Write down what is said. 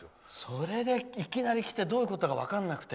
それでいきなり来てどういうことか分からなくて。